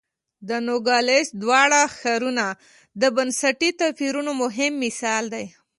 د نوګالس دواړه ښارونه د بنسټي توپیرونو مهم مثال دی.